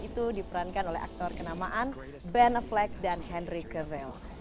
itu diperankan oleh aktor kenamaan ben flag dan henry kevel